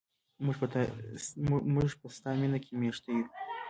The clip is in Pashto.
موږ په ستا مینه کې میشته یو.